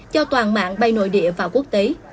cho toàn mạng bay nội địa và quốc tế